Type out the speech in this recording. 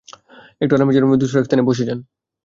একটু আরামের জন্য ধূসর এক স্থানে বসে যান।